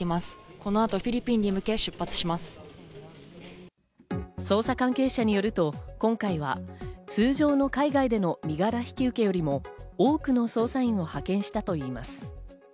この後フィリピンに向け、出発し捜査関係者によると今回は通常の海外での身柄引き受けよりも多くの捜査員を派遣したといいます。